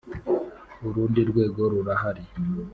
Urundi rwego rurahari.